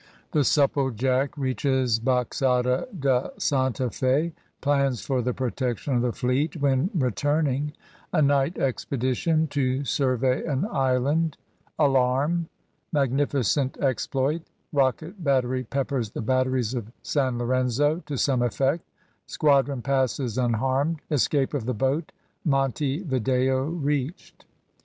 THE SUPPLEJACK REACHES BAXADA DE SANTA FE PLANS FOR THE PROTECTION OF THE FLEET WHEN RETURNING A NIGHT EXPEDITION TO SURVEY AN ISLAND ALARM MAGNIFICENT EXPLOIT ROCKET BATTERY PEPPERS THE BATTERIES OF SAN LORENZO TO SOME EFFECT SQUADRON PASSES UNHARMED ESCAPE OF THE BOAT MONTE VIDEO REACHED.